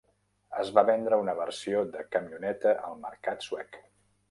Es va vendre una versió de camioneta al mercat suec.